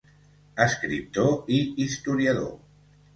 Escriptor i historiador.